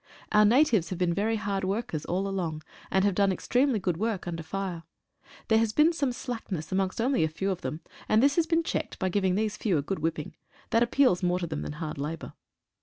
Our natives have been very hard workers all along, and have done extremely good work under fire. There has been some slackness amongst only a few of them, and this has been checked by giving these few a good whip ping. That appeals more to them than hard labour.